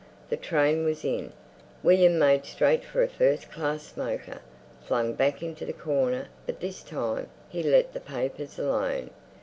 The train was in. William made straight for a first class smoker, flung back into the corner, but this time he let the papers alone.